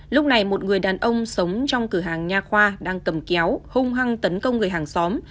lúc này một người đàn ông sống trong cửa hàng nha khoa đang cầm kéo hung hăng tấn công người hàng xóm